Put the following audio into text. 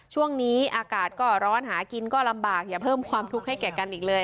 ช่วงนี้อากาศก็ร้อนหากินก็ลำบากอย่าเพิ่มความทุกข์ให้แก่กันอีกเลย